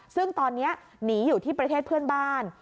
ซึ่งตอนนี้หนีอยู่ที่ประเทศเพื่อนบ้าน